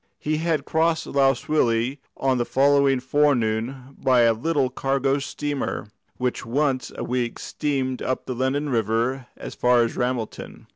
He had crossed Lough Swilly on the following fore noon by a little cargo steamer, which once a week steamed up the Lennon River as far as Ramelton.